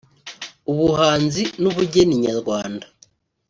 ubuhanzi n’ubugeni nyarwanda